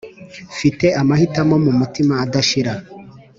mfite amahitamo mumutima adashira